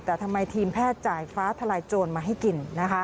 แต่ทำไมทีมแพทย์จ่ายฟ้าทลายโจรมาให้กิน